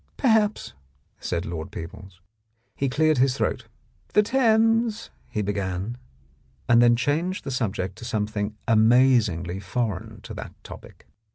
"Perhaps," said Lord Peebles. He cleared his throat. "The Thames," he began, and then changed the subject to something amaz ingly foreign to that topic.